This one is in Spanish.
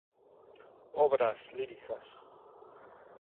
Obras líricas